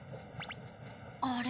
あれ？